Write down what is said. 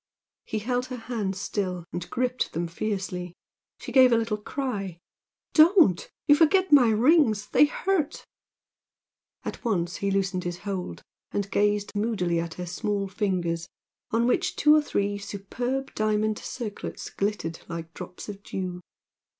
He held her hands still and gripped them fiercely. She gave a little cry. "Don't! You forget my rings, they hurt!" At once he loosened his hold, and gazed moodily at her small fingers on which two or three superb diamond circlets glittered like drops of dew.